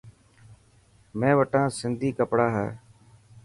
مين وتان سنڌي ڪپڙا هي.